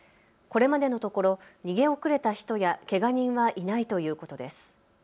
これまでのところ逃げ遅れた人やけが人はいないということです。